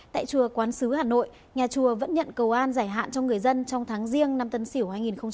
tại chùa quán sứ hà nội nhà chùa vẫn nhận cầu an giải hạn cho người dân trong tháng riêng năm tân sửu hai nghìn hai mươi một